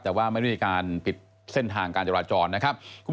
แต่ว่าไม่ได้มีการปิดเส้นทางการจราจรนะครับ